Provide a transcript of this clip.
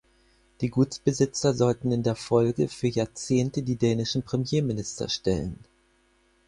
Die Gutsbesitzer sollten in der Folge für Jahrzehnte die dänischen Premierminister stellen.